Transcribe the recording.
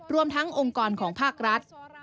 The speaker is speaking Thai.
รวมทั้งองค์กรของภาครัฐ